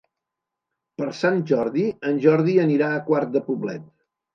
Per Sant Jordi en Jordi anirà a Quart de Poblet.